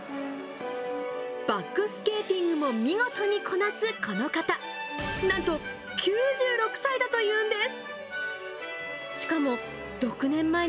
バックスケーティングも見事にこなすこの方、なんと、９６歳だというんです。